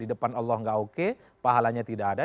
di depan allah tidak oke pahalanya tidak ada